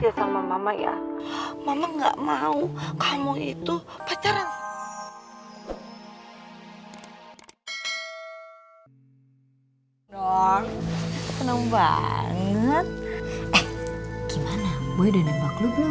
ya sama mama ya mama nggak mau kamu itu pacaran dong seneng banget gimana gue udah nembak lu belum